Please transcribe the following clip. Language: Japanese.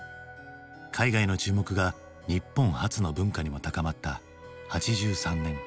海外の注目が日本発の文化にも高まった８３年。